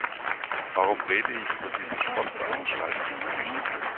Warum rede ich über diese Sportveranstaltung?